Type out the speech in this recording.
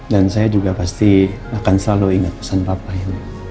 dan saya juga pasti akan selalu ingat pesan papa ya